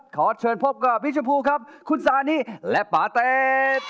ขอเชิญพบกับพี่ชมพูครับคุณซานี่และปาเต็ด